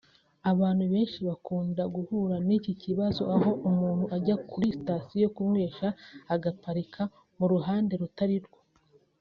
Abantu benshi bakunda guhura n’iki kibazo aho umuntu ajya kuri Station kunywesha agaparika mu ruhande rutari rwo